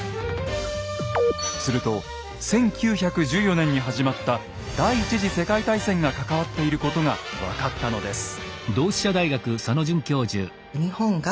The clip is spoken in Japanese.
すると１９１４年に始まった第一次世界大戦が関わっていることが分かったのです。